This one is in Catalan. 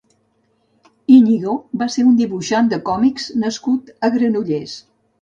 Íñigo va ser un dibuixant de còmics nascut a Granollers.